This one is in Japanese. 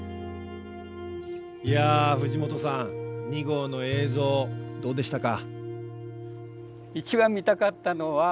いや藤本さん２号の映像どうでしたか？